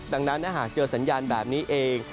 ดังนั้นถ้าหากเจอสัญญาณแบบนี้เอง